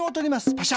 パシャ。